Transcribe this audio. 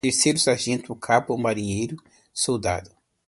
Terceiro-Sargento, Cabo, Marinheiro, Soldado